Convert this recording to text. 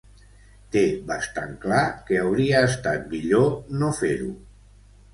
Té bastant clar que hauria estat millor no fer-ho.